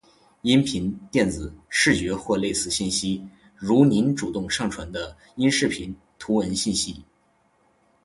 ·音频、电子、视觉或类似信息。如您主动上传的音视频、图文信息。